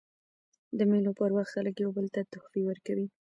د مېلو پر وخت خلک یو بل ته تحفې ورکوي.